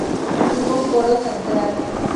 Tuvo coro central.